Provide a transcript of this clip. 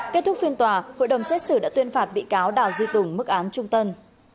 kết thúc phiên tòa hội đồng xét xử đã tuyên phạt bị cáo đào duy tùng mức án trung tân